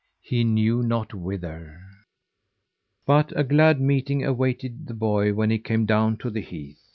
He knew not whither. But a glad meeting awaited the boy when he came down to the heath.